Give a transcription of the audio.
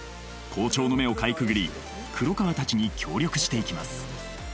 校長の目をかいくぐり黒川たちに協力していきます